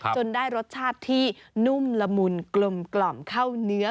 จนได้รสชาติที่นุ่มละมุนกลมเข้าเนื้อ